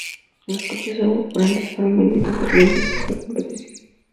Los coches sobrantes fueron vendidos a clientes de la competición.